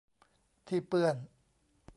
ที่เปื้อน